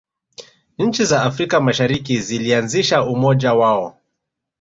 nchi za afrika mashariki zilianzisha umoja wao